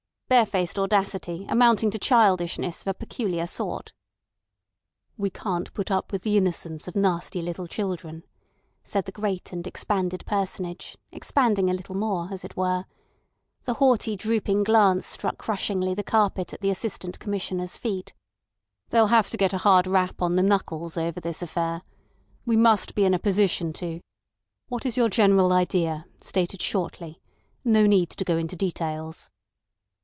"Barefaced audacity amounting to childishness of a peculiar sort." "We can't put up with the innocence of nasty little children," said the great and expanded personage, expanding a little more, as it were. The haughty drooping glance struck crushingly the carpet at the Assistant Commissioner's feet. "They'll have to get a hard rap on the knuckles over this affair. We must be in a position to—What is your general idea, stated shortly? No need to go into details."